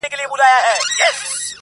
ټوله ته وای ټوله ته وای.!